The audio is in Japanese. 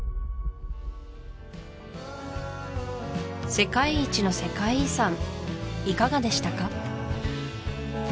世界一の世界遺産いかがでしたか？